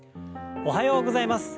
おはようございます。